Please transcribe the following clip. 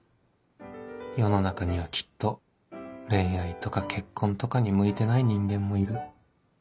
世の中にはきっと恋愛とか結婚とかに向いてない人間もいる